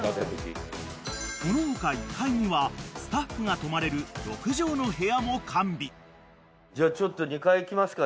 ［この他１階にはスタッフが泊まれる６畳の部屋も完備］